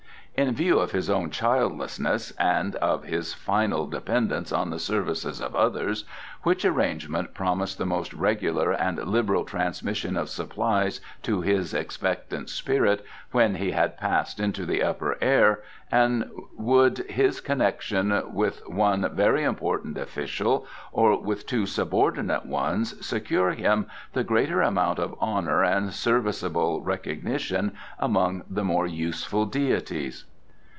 In view of his own childlessness, and of his final dependence on the services of others, which arrangement promised the most regular and liberal transmission of supplies to his expectant spirit when he had passed into the Upper Air, and would his connection with one very important official or with two subordinate ones secure him the greater amount of honour and serviceable recognition among the more useful deities?